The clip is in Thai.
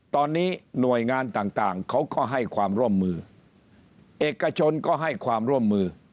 ตอนนี้หน่วยงานต่างต่างเขาก็ให้ความร่วมมือเอกชนก็ให้ความร่วมมือ